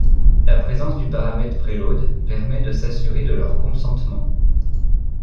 La présence du paramètre preload permet de s'assurer de leur consentement.